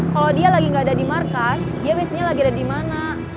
kalau dia lagi nggak ada di markas dia biasanya lagi ada di mana